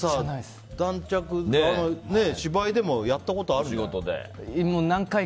芝居でもやったことあるでしょ。